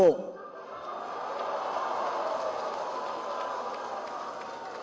bukan urusan persis